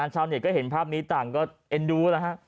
ชาวเน็ตก็เห็นภาพนี้ต่างก็เอ็นดูแล้วฮะ